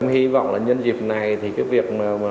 hy vọng là nhân dịp này thì cái việc mà